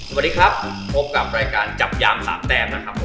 สวัสดีครับพบกับรายการจับยามสามแต้มนะครับผม